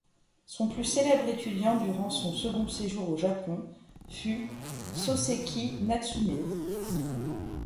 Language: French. Son plus célèbre étudiant durant son second séjour au Japon fut Sōseki Natsume.